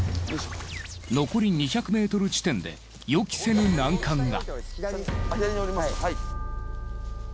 残り２００ｍ地点で予期せぬ難関が！